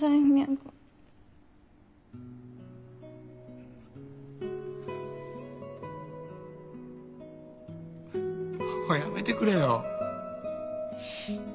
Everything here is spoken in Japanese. もうやめてくれよ。